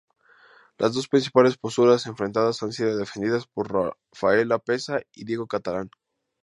Las dos principales posturas enfrentadas han sido defendidas por Rafael Lapesa y Diego Catalán.